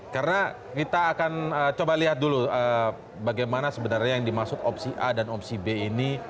karena kita akan coba lihat dulu bagaimana sebenarnya yang dimaksud opsi a dan opsi b ini